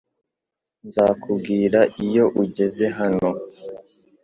Nzakubwira iyo ugeze hano